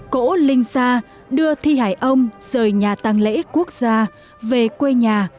cổ linh xa đưa thi hải ông rời nhà tàng lễ quốc gia về quê nhà